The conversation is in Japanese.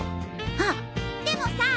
あでもさ！